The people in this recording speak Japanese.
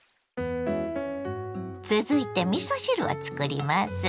⁉続いてみそ汁をつくります。